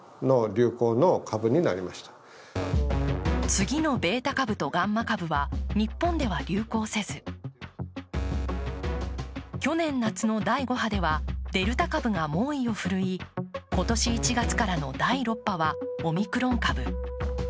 次のベータ株とガンマ株は日本では流行せず去年夏の第５波では、デルタ株が猛威を振るい今年１月からの第６波はオミクロン株。